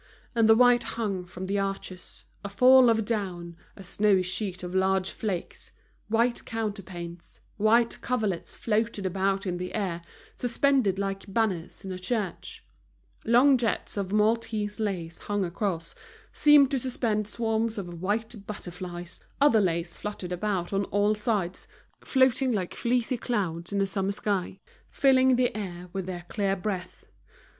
And the white hung from the arches, a fall of down, a snowy sheet of large flakes; white counterpanes, white coverlets floated about in the air, suspended like banners in a church; long jets of Maltese lace hung across, seeming to suspend swarms of white butterflies; other lace fluttered about on all sides, floating like fleecy clouds in a summer sky, filling the air with their clear breath.